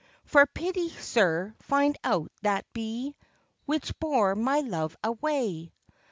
For pity, sir, find out that bee, Which bore my Love away.